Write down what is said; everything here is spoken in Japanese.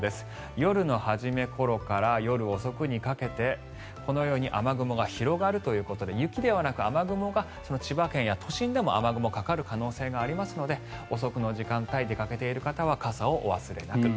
夜の初め頃から夜遅くにかけてこのように雨雲が広がるということで雪ではなく雨雲が千葉県や都心でも雨雲がかかる可能性がありますので遅くの時間帯に出かけている方は傘をお忘れなく。